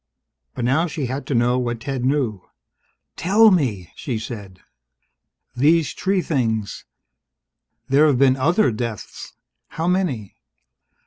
But now she had to know what Ted knew. "Tell me!" she said. "These tree things " "There've been other deaths! How many?"